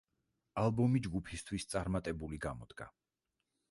ალბომი ჯგუფისთვის წარმატებული გამოდგა.